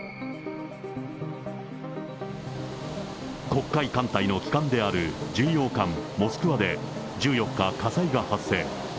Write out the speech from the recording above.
黒海艦隊の旗艦である巡洋艦モスクワで、１４日、火災が発生。